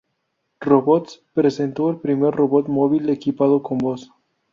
Robots, presentó el primer robot móvil equipado con voz.